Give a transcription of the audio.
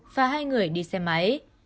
và hai người đi xe máy